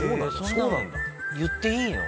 言っていいの？